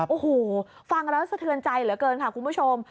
โอ้โหฟังแล้วสะเทือนใจเหลือเกินค่ะคุณผู้ชม